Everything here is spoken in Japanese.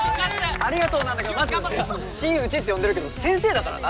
ありがとうなんだけどまずいつも新内って呼んでるけど先生だからな？